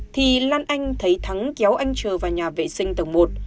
thì lan anh thấy thắng kéo anh chờ vào nhà vệ sinh tầng một